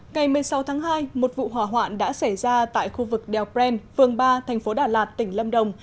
ngày một mươi sáu tháng hai một vụ hỏa hoạn đã xảy ra tại khu vực đèo pren phường ba thành phố đà lạt tỉnh lâm đồng